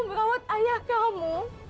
merawat ayah kamu